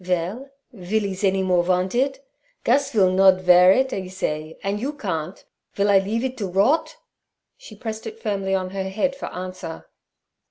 'Vell, vill 'e anymores vant id? Gus vill nod vear id, 'e say, andt you karnt. Vill I leave id to rodt?' She pressed it firmly on her head for answer.